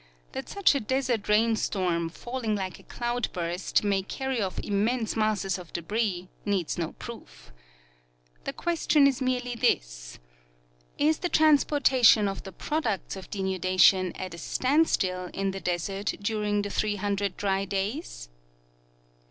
That such a desert rain storm, falling like a cloud burst, may carry off immense masses of debris needs no proof. The question is merely this : Is the transportation of the products of deiiudation at a standstill in the desert during the 300 dry days